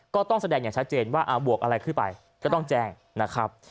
ก็ต้องแสดงอย่างชัดเจนว่าบวกอะไรขึ้นไปก็ต้องแจ้งนะครับ